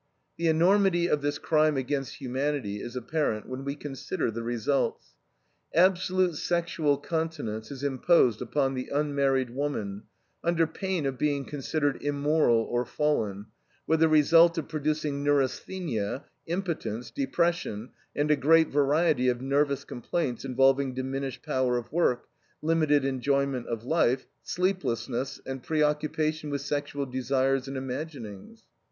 The enormity of this crime against humanity is apparent when we consider the results. Absolute sexual continence is imposed upon the unmarried woman, under pain of being considered immoral or fallen, with the result of producing neurasthenia, impotence, depression, and a great variety of nervous complaints involving diminished power of work, limited enjoyment of life, sleeplessness, and preoccupation with sexual desires and imaginings.